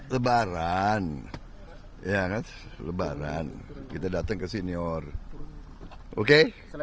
lebaran ya kan lebaran kita datang ke senior oke